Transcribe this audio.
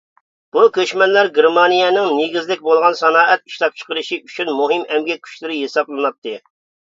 بۇ كۆچمەنلەر گېرمانىينىڭ نېگىزلىك بولغان سانائەت ئىشلەپچىقىرىشى ئۈچۈن مۇھىم ئەمگەك كۈچلىرى ھېسابلىناتتى.